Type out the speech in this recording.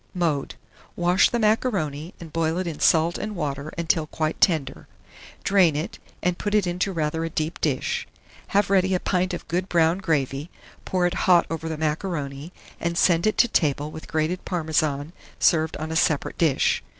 Mode. Wash the macaroni, and boil it in salt and water until quite tender; drain it, and put it into rather a deep dish. Have ready a pint of good brown gravy, pour it hot over the macaroni, and send it to table with grated Parmesan served on a separate dish.